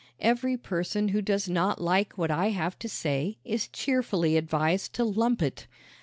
Every person who does not like what I have to say is cheerfully advised to lump it.